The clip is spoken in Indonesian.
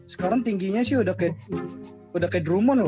sekarang tingginya sih udah kayak drummond loh